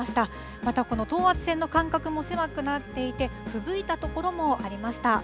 またこの等圧線の間隔も狭くなっていて、ふぶいた所もありました。